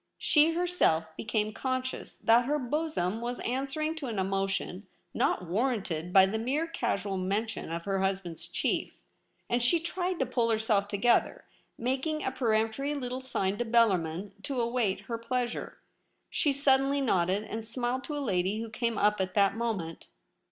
She herself became conscious that her bosom was answering to an emotion not warranted by the mere casual mention of her husband's chief, and she tried to pull herself together. Making a peremptory little sign to Bellarmin to await her pleasure, she suddenly nodded aqd smiled to a lady who came up at that moment.